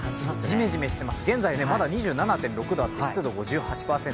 じめじめしてます現在２７．６度あって、湿度５８％。